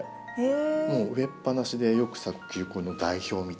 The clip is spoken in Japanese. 植えっぱなしでよく咲く球根の代表みたいな。